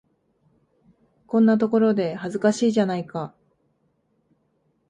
こんなところで、恥ずかしいじゃないか。